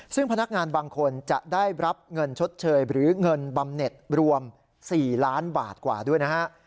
ซึ่งพนักงานบางคนจะได้รับเงินชดเชยหรือเงินบำเน็ตรวม๔ล้านบาทกว่าด้วยนะฮะ